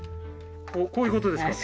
こういうことですか？